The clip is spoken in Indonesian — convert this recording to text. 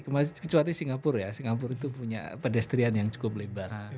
kemenpora itu punya pedestrian yang cukup lebar